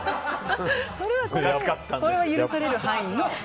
これは許される範囲の盛り方。